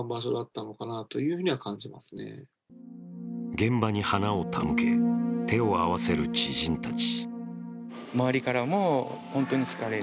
現場に花を手向け手を合わせる知人たち。